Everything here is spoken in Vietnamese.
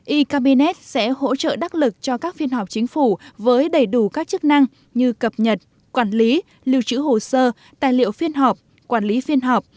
e cabinet sẽ hỗ trợ đắc lực cho các phiên họp chính phủ với đầy đủ các chức năng như cập nhật quản lý lưu trữ hồ sơ tài liệu phiên họp quản lý phiên họp